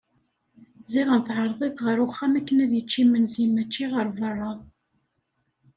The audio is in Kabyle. Ziɣen teɛreḍ-it ɣer uxxam akken ad yečč imensi mačči ɣer berra.